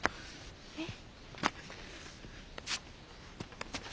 えっ？